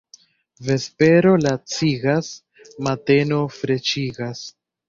Vespero lacigas, mateno freŝigas.